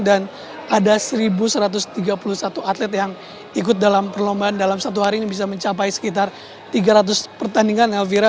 dan ada satu satu ratus tiga puluh satu atlet yang ikut dalam perlombaan dalam satu hari ini bisa mencapai sekitar tiga ratus pertandingan elvira